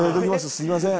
すいません。